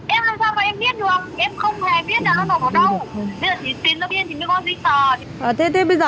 em đang ở khu hà đông cơ